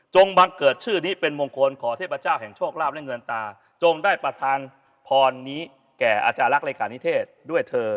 บังเกิดชื่อนี้เป็นมงคลขอเทพเจ้าแห่งโชคลาภและเงินตาจงได้ประธานพรนี้แก่อาจารย์รักเลขานิเทศด้วยเธอ